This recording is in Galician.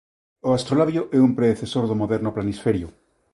O astrolabio é un predecesor do moderno planisferio.